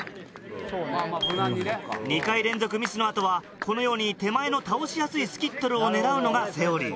２回連続ミスの後はこのように手前の倒しやすいスキットルを狙うのがセオリー。